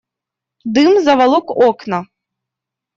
Дым заволок окна.